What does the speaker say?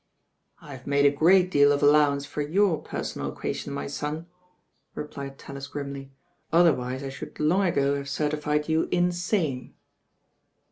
"I've made a great deal of allowance for your personal equation, my son," replied Tallis grimly, "otherwise I should long ago have certified you insane."